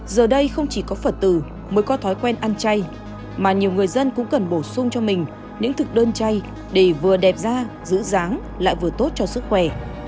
giờ đây không chỉ có phật tử mới có thói quen ăn chay mà nhiều người dân cũng cần bổ sung cho mình những thực đơn chay để vừa đẹp ra giữ dáng lại vừa tốt cho sức khỏe